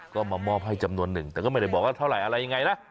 ก็มามอบให้จำนวนหนึ่งแต่ก็ไม่ได้บอกว่าเท่าไหร่อะไรยังไงนะ